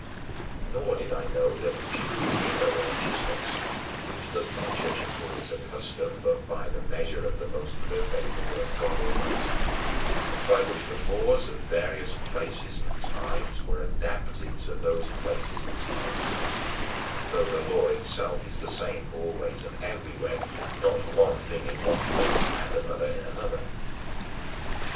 13. Nor did I know that true inner righteousness which does not judge according to custom but by the measure of the most perfect law of God Almighty by which the mores of various places and times were adapted to those places and times (though the law itself is the same always and everywhere, not one thing in one place and another in another).